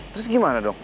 terus gimana dong